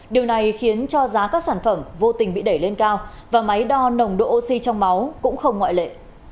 điều này khiến cho giá các sản phẩm vô tình bị đẩy lên cao và máy đo nồng độ oxy trong máu cũng không ngoại lệ